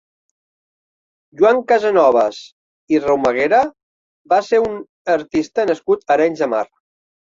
Joan Casanovas i Romaguera va ser un artista nascut a Arenys de Mar.